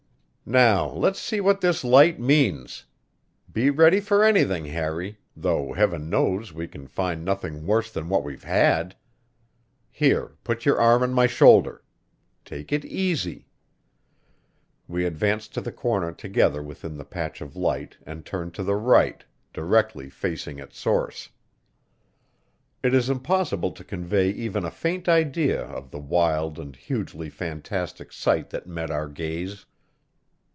"Now, let's see what this light means. Be ready for anything, Harry though Heaven knows we can find nothing worse than we've had. Here, put your arm on my shoulder. Take it easy." We advanced to the corner together within the patch of light and turned to the right, directly facing its source. It is impossible to convey even a faint idea of the wild and hugely fantastic sight that met our gaze.